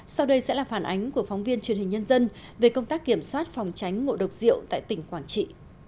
sau đây sẽ là phản ánh của phóng viên truyền hình nhân dân về công tác kiểm soát phòng tránh ngộ độc rượu tại tỉnh quảng trị